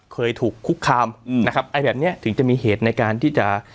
เคยถูกคุกคามอืมนะครับไอ้แบบเนี้ยถึงจะมีเหตุในการที่จะ